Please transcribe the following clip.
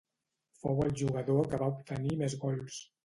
Fou el jugador que va obtenir més gols.